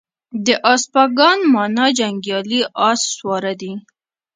د اسپاگان مانا جنگيالي اس سواره دي